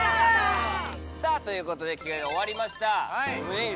さぁということで着替えが終わりました。